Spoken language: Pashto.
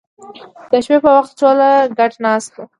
د شپې په وخت ټول ګډ ناست وو